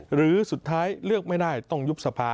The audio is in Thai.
หรือสุดท้ายเลือกไม่ได้ต้องยุบสภา